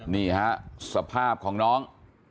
นี่ฮะสภาพของน้อง